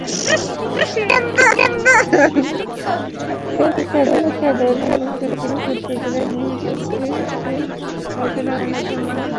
ফেনী সদর হাসপাতাল সূত্র জানায়, নিহত দুই ব্যক্তির লাশের ময়নাতদন্ত শেষ হয়েছে।